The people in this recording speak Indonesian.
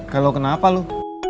kalau kenapa lu